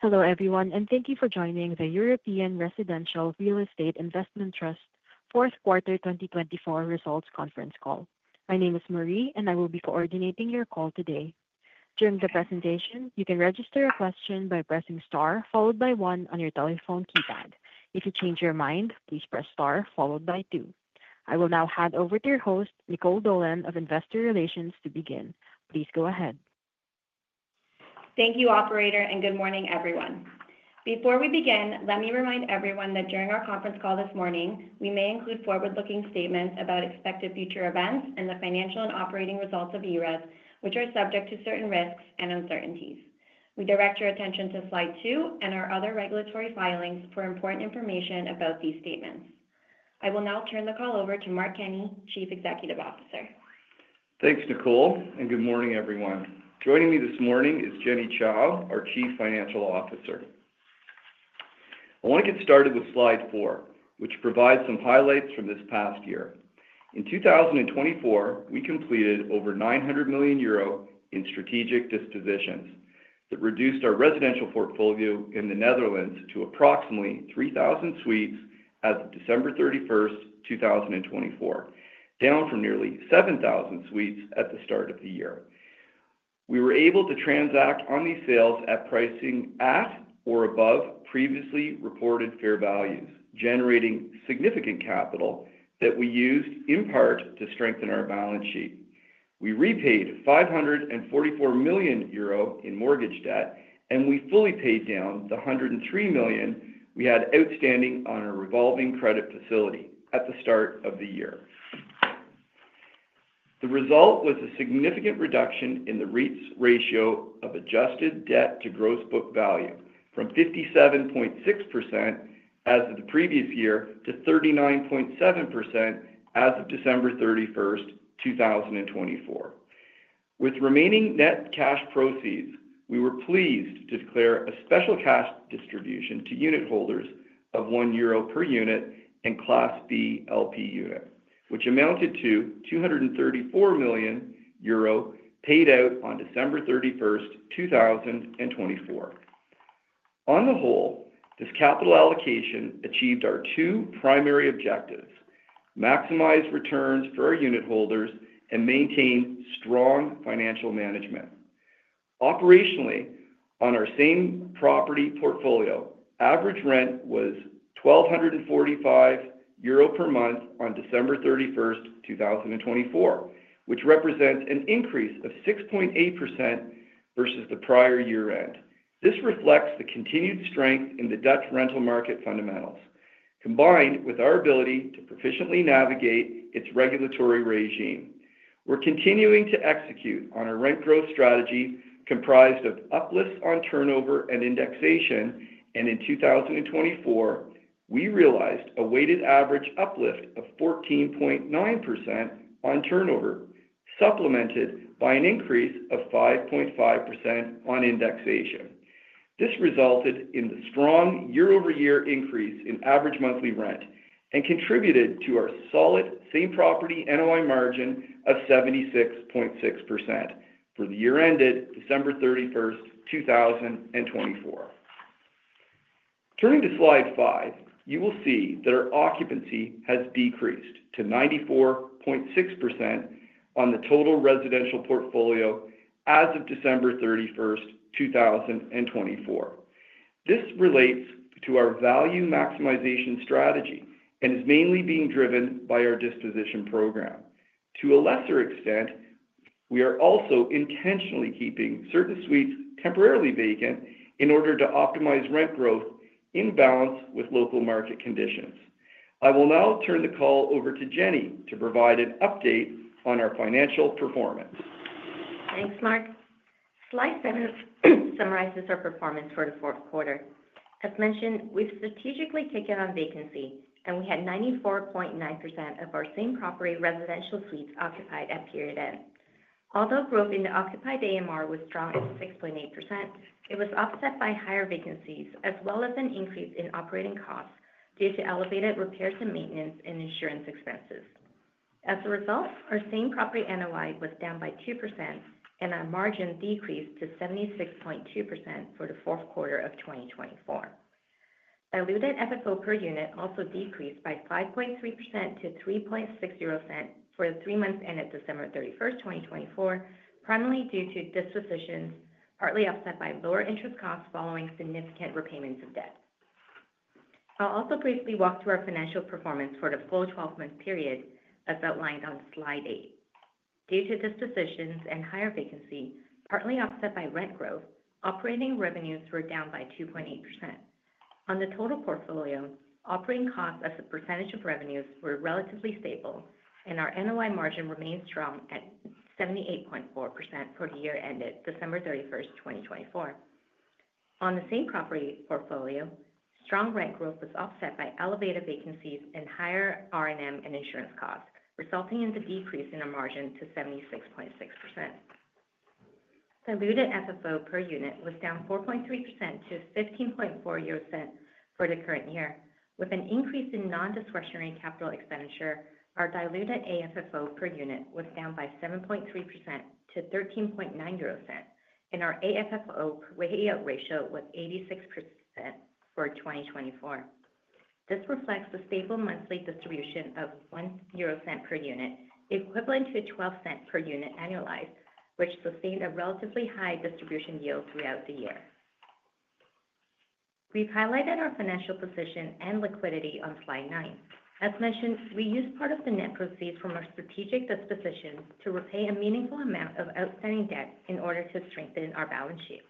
Hello everyone, and thank you for joining the European Residential Real Estate Investment Trust fourth quarter 2024 results conference call. My name is Marie, and I will be coordinating your call today. During the presentation, you can register a question by pressing star followed by one on your telephone keypad. If you change your mind, please press star followed by two. I will now hand over to your host, Nicole Dolan, of Investor Relations, to begin. Please go ahead. Thank you, Operator, and good morning, everyone. Before we begin, let me remind everyone that during our conference call this morning, we may include forward-looking statements about expected future events and the financial and operating results of ERES, which are subject to certain risks and uncertainties. We direct your attention to slide two and our other regulatory filings for important information about these statements. I will now turn the call over to Mark Kenney, Chief Executive Officer. Thanks, Nicole, and good morning, everyone. Joining me this morning is Jenny Chou, our Chief Financial Officer. I want to get started with slide four, which provides some highlights from this past year. In 2024, we completed over 900 million euro in strategic dispositions that reduced our residential portfolio in the Netherlands to approximately 3,000 suites as of December 31, 2024, down from nearly 7,000 suites at the start of the year. We were able to transact on these sales at pricing at or above previously reported fair values, generating significant capital that we used in part to strengthen our balance sheet. We repaid 544 million euro in mortgage debt, and we fully paid down the 103 million we had outstanding on our revolving credit facility at the start of the year. The result was a significant reduction in the ratio of adjusted debt to gross book value from 57.6% as of the previous year to 39.7% as of December 31, 2024. With remaining net cash proceeds, we were pleased to declare a special cash distribution to unitholders of 1 euro per unit in Class B LP unit, which amounted to 234 million euro paid out on December 31, 2024. On the whole, this capital allocation achieved our two primary objectives: maximize returns for our unitholders and maintain strong financial management. Operationally, on our same property portfolio, average rent was 1,245 euro per month on December 31, 2024, which represents an increase of 6.8% versus the prior year-end. This reflects the continued strength in the Dutch rental market fundamentals, combined with our ability to proficiently navigate its regulatory regime. We're continuing to execute on our rent growth strategy, comprised of uplifts on turnover and indexation, and in 2024, we realized a weighted average uplift of 14.9% on turnover, supplemented by an increase of 5.5% on indexation. This resulted in the strong year-over-year increase in average monthly rent and contributed to our solid same property NOI margin of 76.6% for the year ended December 31, 2024. Turning to slide five, you will see that our occupancy has decreased to 94.6% on the total residential portfolio as of December 31, 2024. This relates to our value maximization strategy and is mainly being driven by our disposition program. To a lesser extent, we are also intentionally keeping certain suites temporarily vacant in order to optimize rent growth in balance with local market conditions. I will now turn the call over to Jenny to provide an update on our financial performance. Thanks, Mark. Slide seven summarizes our performance for the fourth quarter. As mentioned, we've strategically taken on vacancy, and we had 94.9% of our same property residential suites occupied at period end. Although growth in the occupied AMR was strong at 6.8%, it was offset by higher vacancies as well as an increase in operating costs due to elevated repairs and maintenance and insurance expenses. As a result, our same property NOI was down by 2%, and our margin decreased to 76.2% for the fourth quarter of 2024. Diluted FFO per unit also decreased by 5.3% to 3.60 for the three months ended December 31, 2024, primarily due to dispositions, partly offset by lower interest costs following significant repayments of debt. I'll also briefly walk through our financial performance for the full 12-month period as outlined on slide eight. Due to dispositions and higher vacancy, partly offset by rent growth, operating revenues were down by 2.8%. On the total portfolio, operating costs as a percentage of revenues were relatively stable, and our NOI margin remained strong at 78.4% for the year ended December 31, 2024. On the same property portfolio, strong rent growth was offset by elevated vacancies and higher R&M and insurance costs, resulting in the decrease in our margin to 76.6%. Diluted FFO per unit was down 4.3% to 15.40 for the current year. With an increase in non-discretionary capital expenditure, our diluted AFFO per unit was down by 7.3% to 13.90 euros, and our AFFO ratio was 86% for 2024. This reflects a stable monthly distribution of 1 euro per unit, equivalent to 0.12 per unit annualized, which sustained a relatively high distribution yield throughout the year. We've highlighted our financial position and liquidity on slide nine. As mentioned, we used part of the net proceeds from our strategic dispositions to repay a meaningful amount of outstanding debt in order to strengthen our balance sheet.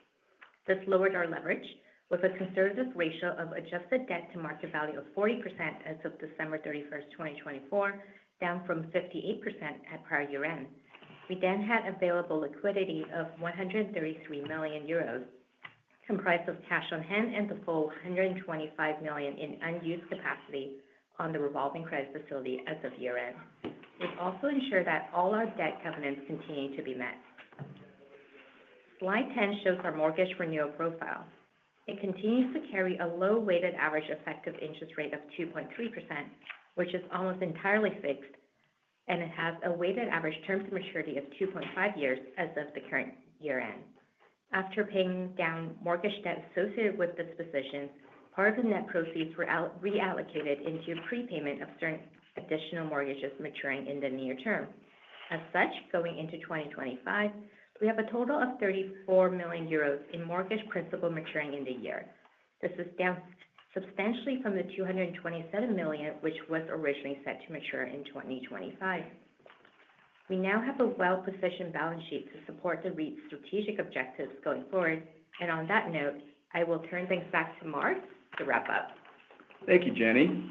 This lowered our leverage with a conservative ratio of adjusted debt to market value of 40% as of December 31, 2024, down from 58% at prior year-end. We then had available liquidity of 133 million euros, comprised of cash on hand and the full 125 million in unused capacity on the revolving credit facility as of year-end. We also ensured that all our debt covenants continued to be met. Slide 10 shows our mortgage renewal profile. It continues to carry a low weighted average effective interest rate of 2.3%, which is almost entirely fixed, and it has a weighted average term to maturity of 2.5 years as of the current year-end. After paying down mortgage debt associated with dispositions, part of the net proceeds were reallocated into prepayment of certain additional mortgages maturing in the near term. As such, going into 2025, we have a total of 34 million euros in mortgage principal maturing in the year. This is down substantially from the 227 million, which was originally set to mature in 2025. We now have a well-positioned balance sheet to support the REIT's strategic objectives going forward, and on that note, I will turn things back to Mark to wrap up. Thank you, Jenny.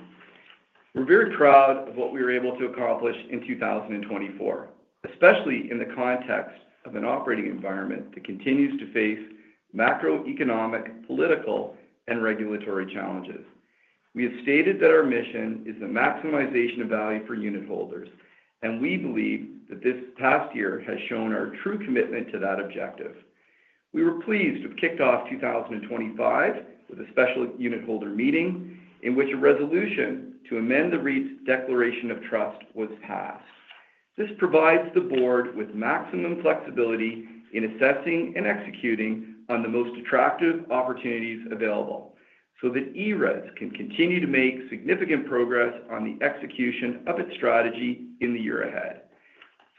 We're very proud of what we were able to accomplish in 2024, especially in the context of an operating environment that continues to face macroeconomic, political, and regulatory challenges. We have stated that our mission is the maximization of value for unit holders, and we believe that this past year has shown our true commitment to that objective. We were pleased to have kicked off 2025 with a special unit holder meeting in which a resolution to amend the REIT's declaration of trust was passed. This provides the board with maximum flexibility in assessing and executing on the most attractive opportunities available so that ERES can continue to make significant progress on the execution of its strategy in the year ahead.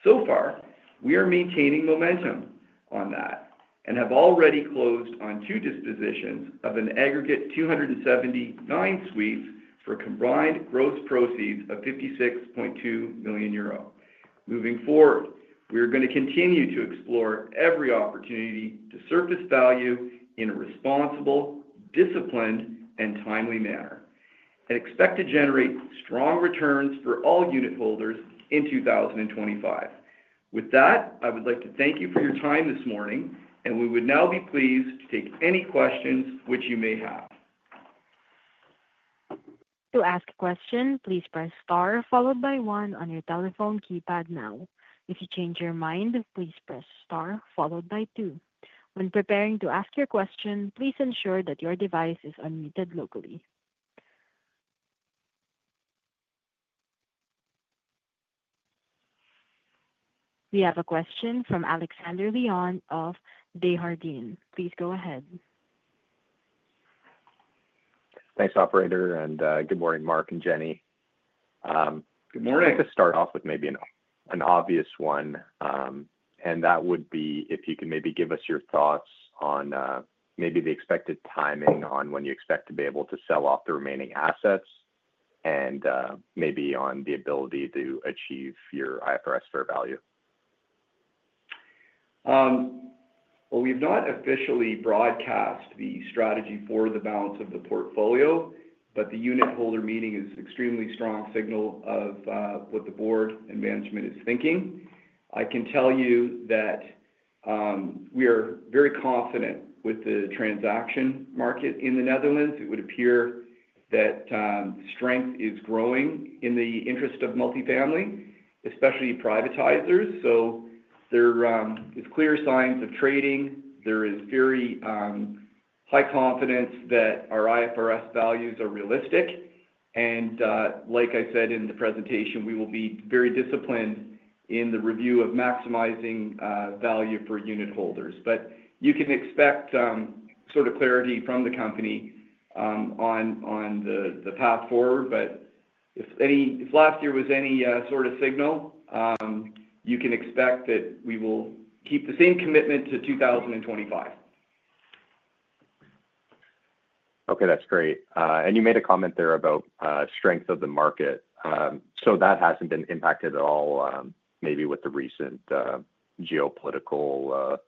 So far, we are maintaining momentum on that and have already closed on two dispositions of an aggregate 279 suites for combined gross proceeds of 56.2 million euro. Moving forward, we are going to continue to explore every opportunity to surface value in a responsible, disciplined, and timely manner and expect to generate strong returns for all unit holders in 2025. With that, I would like to thank you for your time this morning, and we would now be pleased to take any questions which you may have. To ask a question, please press star followed by one on your telephone keypad now. If you change your mind, please press star followed by two. When preparing to ask your question, please ensure that your device is unmuted locally. We have a question from Alexander Leon of Desjardins. Please go ahead. Thanks, Operator, and good morning, Mark and Jenny. Good morning. I'd like to start off with maybe an obvious one, and that would be if you could maybe give us your thoughts on maybe the expected timing on when you expect to be able to sell off the remaining assets and maybe on the ability to achieve your IFRS fair value. We have not officially broadcast the strategy for the balance of the portfolio, but the unit holder meeting is an extremely strong signal of what the board and management is thinking. I can tell you that we are very confident with the transaction market in the Netherlands. It would appear that strength is growing in the interest of multifamily, especially privatizers. There are clear signs of trading. There is very high confidence that our IFRS values are realistic. Like I said in the presentation, we will be very disciplined in the review of maximizing value for unit holders. You can expect sort of clarity from the company on the path forward. If last year was any sort of signal, you can expect that we will keep the same commitment to 2025. Okay, that's great. You made a comment there about strength of the market. That hasn't been impacted at all maybe with the recent geopolitical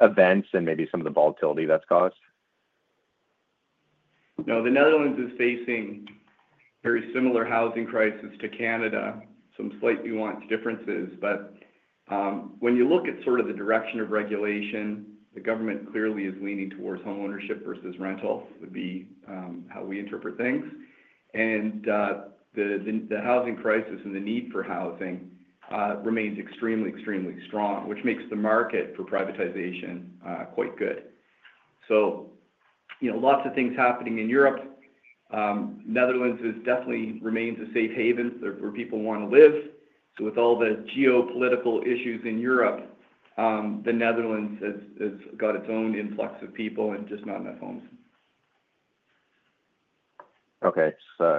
events and maybe some of the volatility that's caused? No, the Netherlands is facing a very similar housing crisis to Canada, some slight nuanced differences. When you look at sort of the direction of regulation, the government clearly is leaning towards homeownership versus rental, would be how we interpret things. The housing crisis and the need for housing remains extremely, extremely strong, which makes the market for privatization quite good. Lots of things happening in Europe. The Netherlands definitely remains a safe haven for people who want to live. With all the geopolitical issues in Europe, the Netherlands has got its own influx of people and just not enough homes. Okay,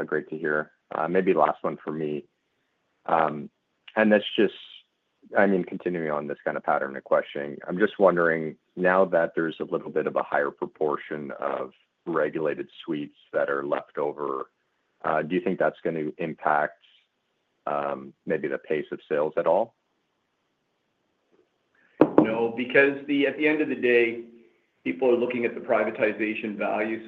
great to hear. Maybe last one for me. I mean, continuing on this kind of pattern of questioning. I'm just wondering, now that there's a little bit of a higher proportion of regulated suites that are left over, do you think that's going to impact maybe the pace of sales at all? No, because at the end of the day, people are looking at the privatization value.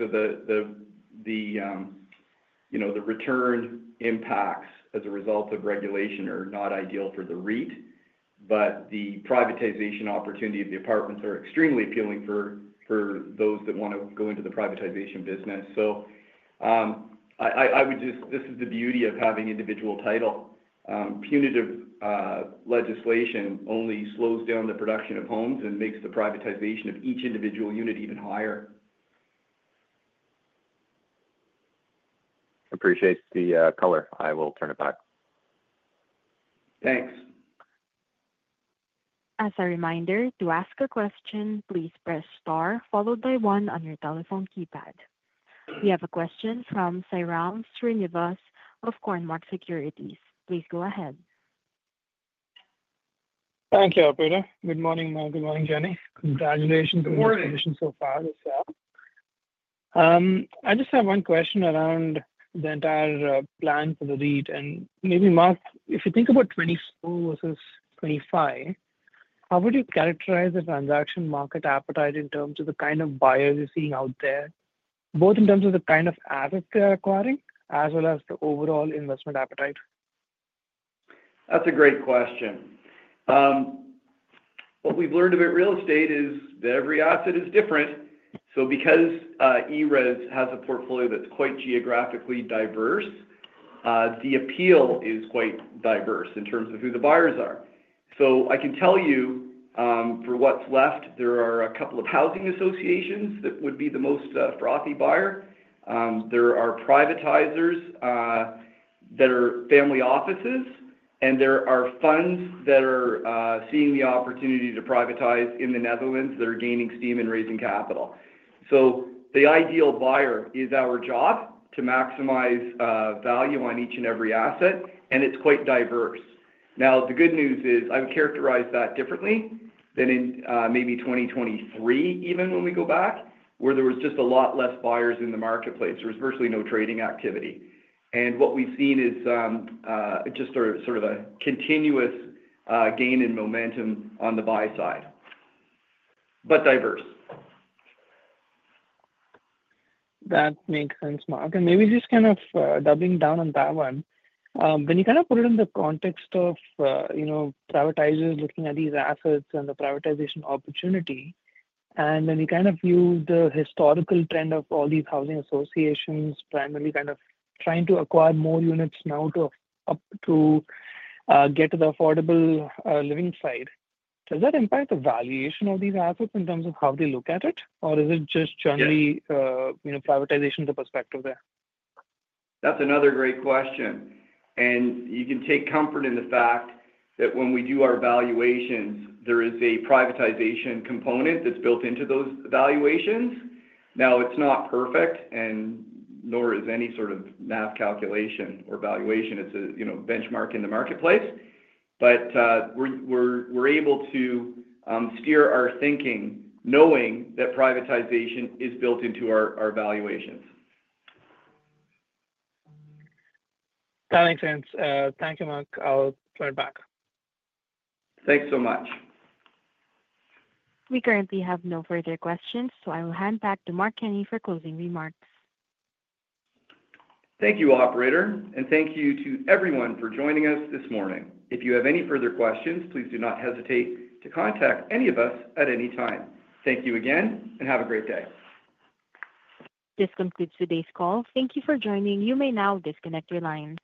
The return impacts as a result of regulation are not ideal for the REIT, but the privatization opportunity of the apartments are extremely appealing for those that want to go into the privatization business. I would just, this is the beauty of having individual title. Punitive legislation only slows down the production of homes and makes the privatization of each individual unit even higher. Appreciate the color. I will turn it back. Thanks. As a reminder, to ask a question, please press star followed by one on your telephone keypad. We have a question from Sairam Srinivas of Cormark Securities. Please go ahead. Thank you, Operator. Good morning, Mark. Good morning, Jenny. Congratulations on your transition so far as well. I just have one question around the entire plan for the REIT. Maybe, Mark, if you think about 2024 versus 2025, how would you characterize the transaction market appetite in terms of the kind of buyers you're seeing out there, both in terms of the kind of assets they're acquiring as well as the overall investment appetite? That's a great question. What we've learned about real estate is that every asset is different. Because ERES has a portfolio that's quite geographically diverse, the appeal is quite diverse in terms of who the buyers are. I can tell you for what's left, there are a couple of housing associations that would be the most frothy buyer. There are privatizers that are family offices, and there are funds that are seeing the opportunity to privatize in the Netherlands that are gaining steam and raising capital. The ideal buyer is our job to maximize value on each and every asset, and it's quite diverse. The good news is I would characterize that differently than in maybe 2023, even when we go back, where there was just a lot less buyers in the marketplace. There was virtually no trading activity. What we've seen is just sort of a continuous gain in momentum on the buy side, but diverse. That makes sense, Mark. Maybe just kind of doubling down on that one, when you kind of put it in the context of privatizers looking at these assets and the privatization opportunity, and when you kind of view the historical trend of all these housing associations primarily kind of trying to acquire more units now to get to the affordable living side, does that impact the valuation of these assets in terms of how they look at it, or is it just generally privatization of the perspective there? That's another great question. You can take comfort in the fact that when we do our valuations, there is a privatization component that's built into those valuations. Now, it's not perfect, nor is any sort of math calculation or valuation. It's a benchmark in the marketplace. We're able to steer our thinking, knowing that privatization is built into our valuations. That makes sense. Thank you, Mark. I'll turn it back. Thanks so much. We currently have no further questions, so I will hand back to Mark Kenny for closing remarks. Thank you, Operator, and thank you to everyone for joining us this morning. If you have any further questions, please do not hesitate to contact any of us at any time. Thank you again, and have a great day. This concludes today's call. Thank you for joining. You may now disconnect your lines.